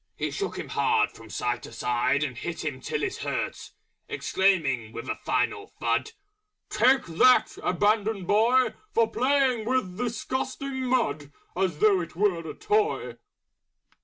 He Shook him hard from Side to Side And Hit him till it Hurt, Exclaiming, with a Final Thud, "Take that! Abandoned Boy! For Playing with Disgusting Mud As though it were a Toy!"